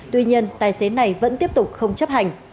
tuy nhiên tài xế này vẫn tiếp tục không chấp hành